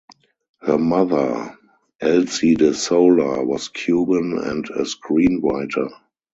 Her mother, Elsie De Sola, was Cuban and a screenwriter.